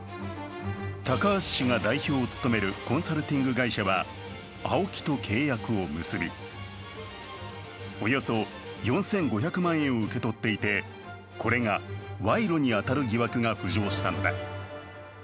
高橋氏が代表を務めるコンサルティング会社はＡＯＫＩと契約を結び、およそ４５００万円を受け取っていて、これが賄賂に当たる疑惑が浮上したのだ。